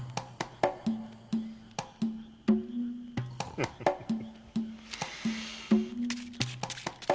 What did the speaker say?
フフフフ。